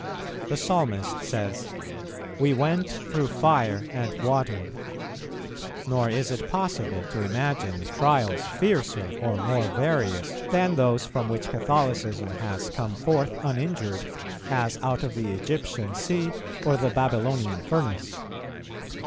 The Psalmist says, "We went through fire and water;" nor is it possible to imagine trials fiercer or more various than those from which Catholicism has come forth uninjured, as out of the Egyptian sea or the Babylonian furnace.